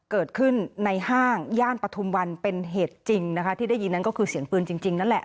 เกิดขึ้นในห้างย่านปฐุมวันเป็นเหตุจริงนะคะที่ได้ยินนั้นก็คือเสียงปืนจริงนั่นแหละ